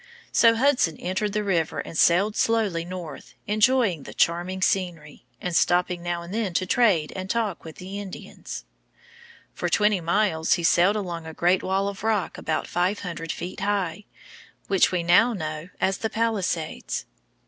So Hudson entered the river and sailed slowly north, enjoying the charming scenery, and stopping now and then to trade and to talk with the Indians. For twenty miles he sailed along a great wall of rock about five hundred feet high, which we now know as the Palisades.